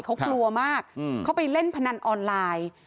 เขากลัวมากเขาไปเล่นพนันออนไลน์